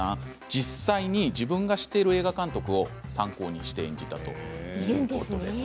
実際に自分が知っている映画監督を参考にして演じたということです。